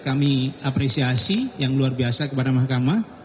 kami apresiasi yang luar biasa kepada mahkamah